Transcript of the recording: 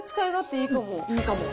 いいかも。